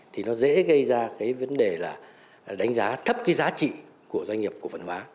thì nó dễ gây ra cái vấn đề là đánh giá thấp cái giá trị của doanh nghiệp cổ phần hóa